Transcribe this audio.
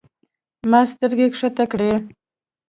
ما سترګې کښته کړې.